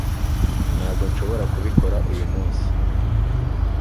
ntabwo nshobora kubikora uyu munsi